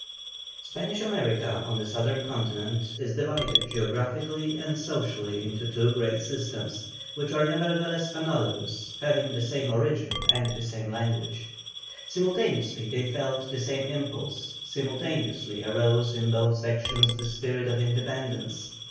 Spanish America on the Southern Continent, is divided geographically and socially into two great systems, which are nevertheless analogous, having the same origin and the same language. Simultaneously they felt the same impulse, simultaneously arose in both sections the spirit of independence.